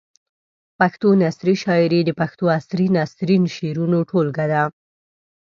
پښتو نثري شاعري د پښتو عصري نثري شعرونو ټولګه ده.